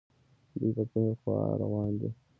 دوی په کومې خوا روان دي